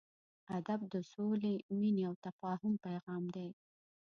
ادب د سولې، مینې او تفاهم پیغام دی.